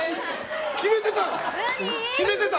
決めてた？